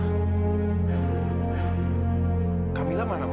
tante kamila dimana tante